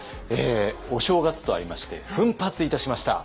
お正月とありまして奮発いたしました。